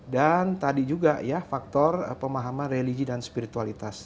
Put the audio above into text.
dan tadi juga ya faktor pemahaman religi dan spiritualitas